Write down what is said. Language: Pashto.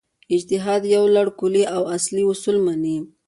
اجتهاد یو لړ کُلي او اصلي اصول مني.